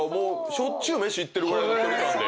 しょっちゅう飯行ってるぐらいの距離感で。